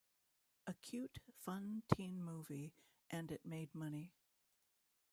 A cute, fun teen movie, and it made money.